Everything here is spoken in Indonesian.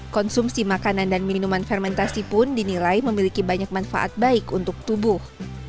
konsumsi makanan dan minuman fermentasi pun dinilai memiliki banyak manfaat baik untuk tubuh